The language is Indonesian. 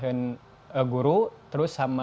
saya juga mengajar guru terus sama